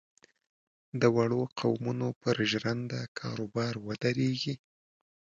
د وړو قومونو پر ژرنده کاروبار ودرېږي.